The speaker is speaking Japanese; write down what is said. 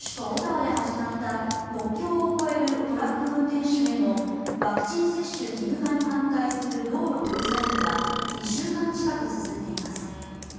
オタワで始まった国境を越えるトラック運転手へのワクチン接種義務化に反対する道路封鎖デモは２週間近く続いています。